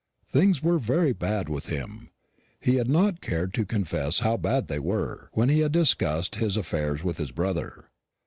Things were very bad with him he had not cared to confess how bad they were, when he had discussed his affairs with his brother.